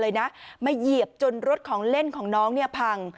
เลยนะมาเหยียบจนรถของเล่นของน้องเนี่ยพัง